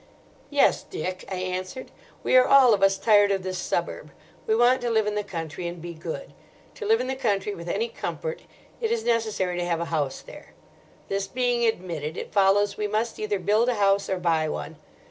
"Yes, Dick," I answered. "We are all of us tired of this suburb. We want to live in the country and be good. To live in the country with any comfort it is necessary to have a house there. This being admitted, it follows we must either build a house or buy one.